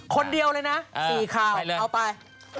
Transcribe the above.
คนเดียวเลยนะ๔ข่าวเอาไป